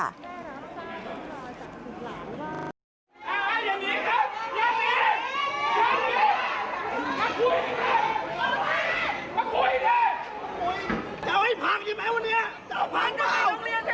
อย่างนี้มันไม่ถูกไปแอบคุยได้อย่างไรวะ